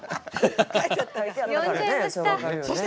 読んじゃいました。